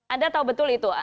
anda tahu betul itu